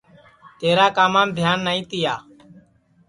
تیرا کامام دھیان نائی تیا